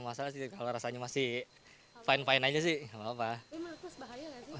masalah sih kalau rasanya masih fine fine aja sih nggak apa apa